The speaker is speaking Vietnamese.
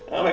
xin cảm ơn